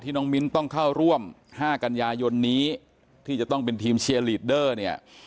น้องมิ้นต้องเข้าร่วม๕กันยายนนี้ที่จะต้องเป็นทีมเชียร์ลีดเดอร์เนี่ย